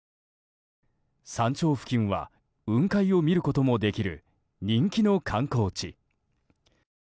山頂付近は雲海を見ることもできる人気の観光地。